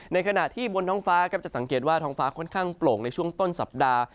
ในขณะที่บนท้องฟ้าจะสังเกตว่าท้องฟ้าค่อนข้างโปร่งในช่วงต้นสัปดาห์